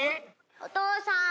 お父さーん。